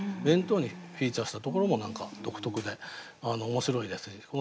弁当にフィーチャーしたところも何か独特で面白いですし。